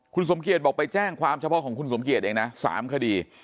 คุณสมเกียจบอกไปแจ้งความเฉพาะของคุณสมเกียจเองนะ๓คดี